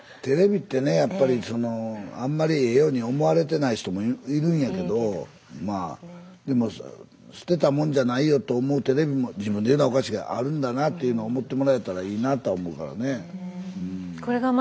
テレビってねやっぱりそのあんまりええように思われてない人もいるんやけどまあでも捨てたもんじゃないよと思うテレビも自分で言うのはおかしいけどあるんだなっていうのを思ってもらえたらいいなあとは思うからねうん。